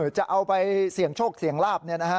จะเอาไปเสี่ยงโชคเสี่ยงลาบ